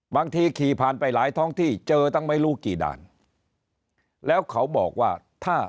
ขี่ผ่านไปหลายท้องที่เจอตั้งไม่รู้กี่ด่านแล้วเขาบอกว่าถ้า